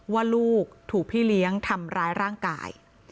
ว่าลูกถูกพี่เลี้ยงทำร้ายร่างกาย